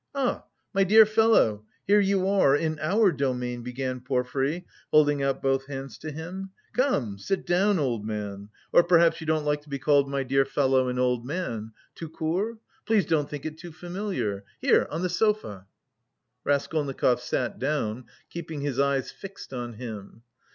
"Ah, my dear fellow! Here you are... in our domain"... began Porfiry, holding out both hands to him. "Come, sit down, old man... or perhaps you don't like to be called 'my dear fellow' and 'old man!' tout court? Please don't think it too familiar.... Here, on the sofa." Raskolnikov sat down, keeping his eyes fixed on him.